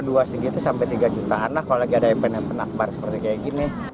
dua segitu sampai tiga juta anak kalau lagi ada yang pernah seperti kayak gini